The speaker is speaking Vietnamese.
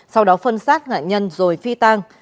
sau đó phân sát nạn nhân rồi phi tăng